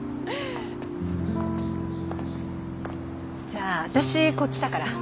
じゃあ私こっちだから。